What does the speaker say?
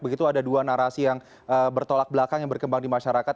begitu ada dua narasi yang bertolak belakang yang berkembang di masyarakat